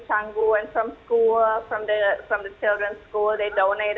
jadi banyak orang di sini juga di canggu dari sekolah dari anak anak